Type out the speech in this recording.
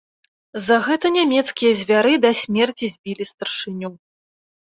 За гэта нямецкія звяры да смецці збілі старшыню.